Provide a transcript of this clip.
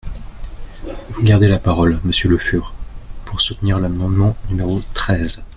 Vous gardez la parole, monsieur Le Fur, pour soutenir l’amendement numéro treize.